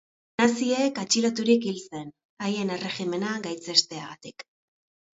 Naziek atxiloturik hil zen, haien erregimena gaitzesteagatik.